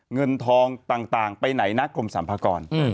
เงินทองต่างไปไหนนะกรมสัมภากร